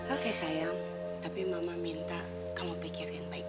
oke sayang tapi mama minta kamu pikirin baik baik